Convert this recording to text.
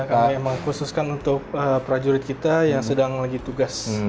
ya kami memang khususkan untuk prajurit kita yang sedang lagi tugas